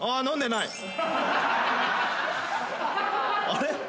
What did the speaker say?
あれ？